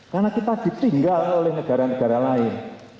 karena kita ditinggal oleh negara negara lain